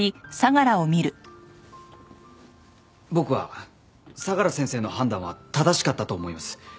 僕は相良先生の判断は正しかったと思います。